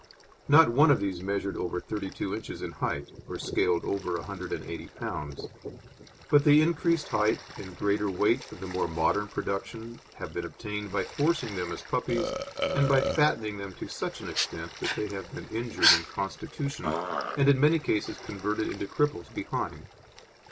Not one of these measured over 32 inches in height, or scaled over 180 lbs., but the increased height and greater weight of the more modern production have been obtained by forcing them as puppies and by fattening them to such an extent that they have been injured in constitution, and in many cases converted into cripples behind.